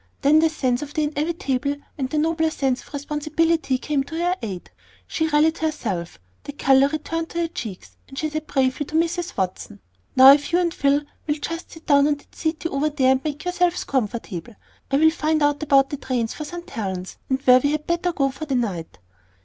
Then the sense of the inevitable and the nobler sense of responsibility came to her aid. She rallied herself; the color returned to her cheeks, and she said bravely to Mrs. Watson, "Now, if you and Phil will just sit down on that settee over there and make yourselves comfortable, I will find out about the trains for St. Helen's, and where we had better go for the night."